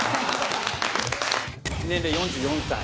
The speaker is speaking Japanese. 年齢４４歳。